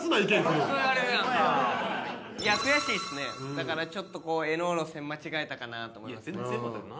だからちょっとこう絵の路線間違えたかなと思いますね。